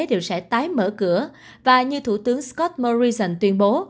đều sẽ tái mở cửa và như thủ tướng scott morrison tuyên bố